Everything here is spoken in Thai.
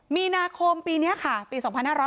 มีนาคมปีนี้ค่ะปี๒๕๖๐